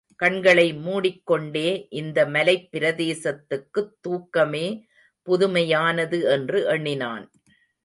கண்களை மூடிக்கொண்டே, இந்த மலைப்பிரதேசத்துக்குத் தூக்கமே புதுமையானது என்று எண்ணினான்.